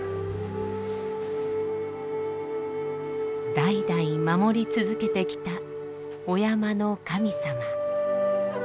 代々守り続けてきた御山の神様。